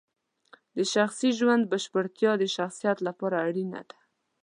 د شخصي ژوند بشپړتیا د شخصیت لپاره اړینه ده.